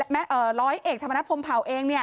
แม้ร้อยเอกธรรมนัฐพลังเผาเอง